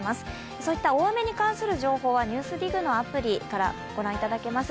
そういった大雨に関する情報は「ＮＥＷＳＤＩＧ」のアプリからご覧いただけます。